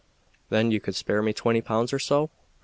"Then you could spare me twenty pounds or so?"